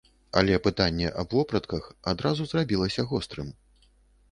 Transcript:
Але пытанне аб вопратках адразу зрабілася гострым.